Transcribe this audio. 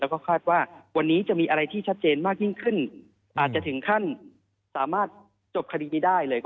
ก็คาดว่าวันนี้จะมีอะไรที่ชัดเจนขึ้นอาจจะถึงขั้นสามารถกินสะดีก็ได้เลย